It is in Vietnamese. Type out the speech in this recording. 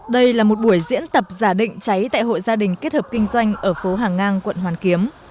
đây là một buổi diễn tập giả định cháy tại hội gia đình kết hợp kinh doanh ở phố hàng ngang quận hoàn kiếm